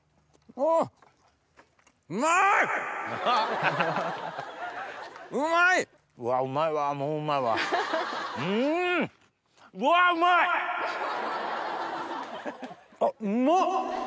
あっうまっ！